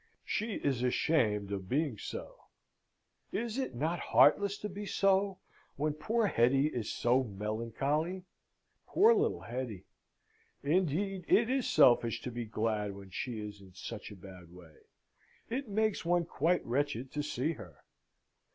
She is ashamed of being so. Is it not heartless to be so, when poor Hetty is so melancholy? Poor little Hetty! Indeed, it is selfish to be glad when she is in such a sad way. It makes one quite wretched to see her.